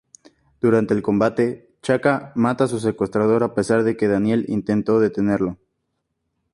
Durante el combate, Chaka mata a su secuestrador a pesar que Daniel intenta detenerlo.